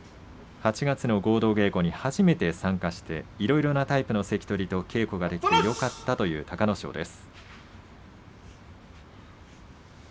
８月の合同稽古では初めて参加していろんなタイプの関取と稽古をしてよかったという隆の勝です。